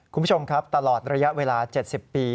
คุณผู้ชมครับตลอดระยะเวลา๗๐ปี